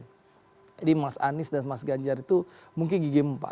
jadi mas anies dan mas ganjar itu mungkin gigi empat